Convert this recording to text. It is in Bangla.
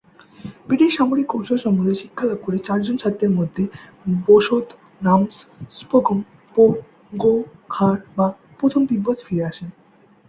ব্রিটিশ সামরিক কৌশল সম্বন্ধে শিক্ষালাভ করে চারজন ছাত্রের মধ্যে ব্সোদ-নাম্স-স্গোম-পো-গো-খার-বা প্রথম তিব্বত ফিরে আসেন।